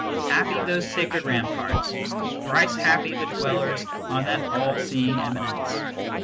Happy those sacred ramparts, thrice happy the dwellers on that all seeing eminence.